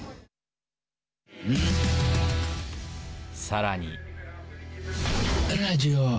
さらに。